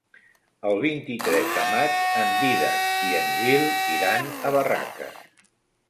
El vint-i-tres de maig en Dídac i en Gil iran a Barraques.